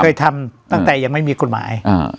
เคยทำตั้งแต่ยังไม่มีกฎหมาย